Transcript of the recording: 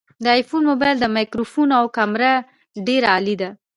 د آیفون مبایل مایکروفون او کامره ډیره عالي ده